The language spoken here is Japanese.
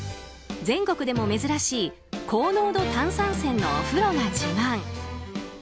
全国でも珍しい高濃度炭酸泉のお風呂が自慢。